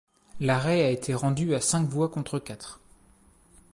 L'arrêt a été rendu à cinq voix contre quatre.